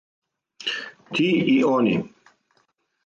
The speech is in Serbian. Ти и они.